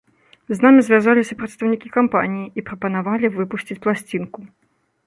З намі звязаліся прадстаўнікі кампаніі і прапанавалі выпусціць пласцінку.